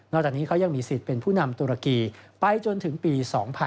จากนี้เขายังมีสิทธิ์เป็นผู้นำตุรกีไปจนถึงปี๒๕๖๒